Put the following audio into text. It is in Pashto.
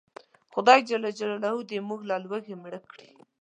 خدای ج دې موږ له لوږې مړه کړي